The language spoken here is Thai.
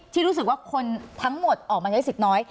ที่รู้สึกว่าคนทั้งหมดออกมาใช้สิทธิ์น้อย